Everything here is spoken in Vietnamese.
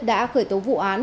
đã khởi tố vụ án